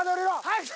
はい。